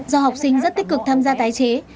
do học sinh rất tích cực tham gia tái chế